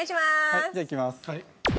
はいじゃあいきます。